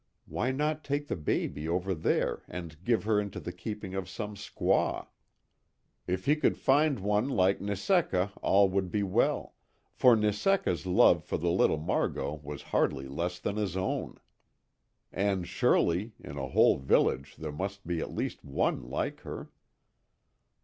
Why not take the baby over there and give her into the keeping of some squaw. If he could find one like Neseka all would be well, for Neseka's love for the little Margot was hardly less than his own. And surely, in a whole village there must be at least one like her.